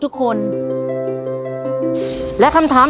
คุณฝนจากชายบรรยาย